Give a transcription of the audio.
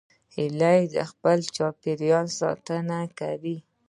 هیلۍ د خپل چاپېریال ساتنه کوي